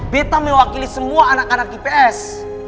beta mewakili semua anak anak gps